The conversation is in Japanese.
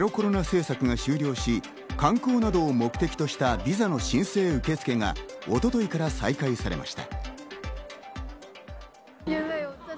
ゼロコロナ政策が終了し、観光などを目的としたビザの申請受け付けが一昨日から再開されました。